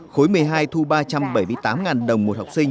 khối một mươi hai thu ba trăm bảy mươi tám đồng